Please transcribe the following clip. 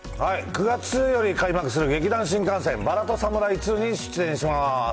９月より開幕する劇団☆新感線、薔薇とサムライ２に出演します。